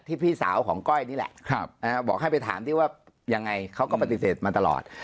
พี่สาวของก้อยนี่แหละบอกให้ไปถามที่ว่ายังไงเขาก็ปฏิเสธมาตลอด